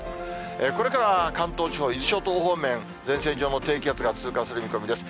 これから関東地方、伊豆諸島方面、前線上を低気圧が通過する見込みです。